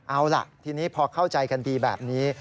เอาล่ะทีนี้พอเข้าใจกันดีแบบนี้